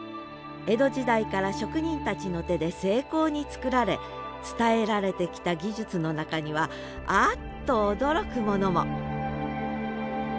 江戸時代から職人たちの手で精巧に作られ伝えられてきた技術の中にはあっと驚くものも！